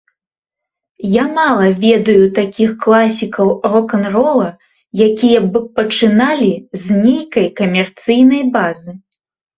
Я мала ведаю такіх класікаў рок-н-рола, якія б пачыналі з нейкай камерцыйнай базы.